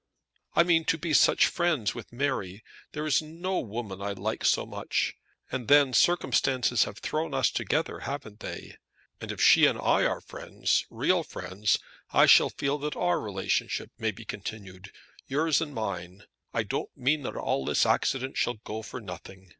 "I mean to be such friends with Mary. There is no woman I like so much. And then circumstances have thrown us together, haven't they; and if she and I are friends, real friends, I shall feel that our friendship may be continued, yours and mine. I don't mean that all this accident shall go for nothing.